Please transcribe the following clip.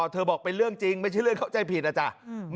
บอกเป็นเรื่องจริงไม่ใช่เรื่องเข้าใจผิดนะจ๊ะ